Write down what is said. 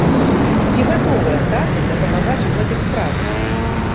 Ці гатовыя таты дапамагаць у гэтай справе?